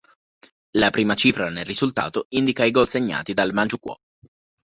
La prima cifra nel risultato indica i gol segnati dal Manciukuò.